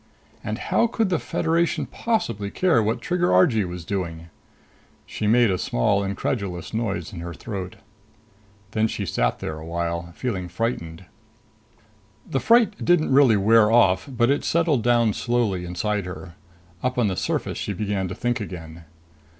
And how could the Federation possibly care what Trigger Argee was doing? She made a small, incredulous noise in her throat. Then she sat there a while, feeling frightened. The fright didn't really wear off, but it settled down slowly inside her. Up on the surface she began to think again.